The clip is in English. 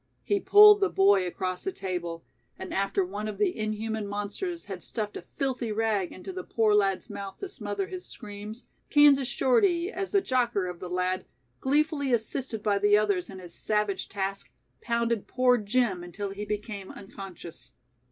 He pulled the boy across the table, and after one of the inhuman monsters had stuffed a filthy rag into the poor lad's mouth to smother his screams, Kansas Shorty, as the jocker of the lad, gleefully assisted by the others in his savage task, pounded poor Jim until he became unconscious.